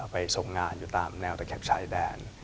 ไปทรงงานหรือตามแนวตะแคบชายแดน